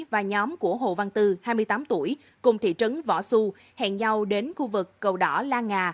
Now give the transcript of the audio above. và nhóm của hồ văn tư hai mươi tám tuổi cùng thị trấn võ xu hẹn nhau đến khu vực cầu đỏ la nga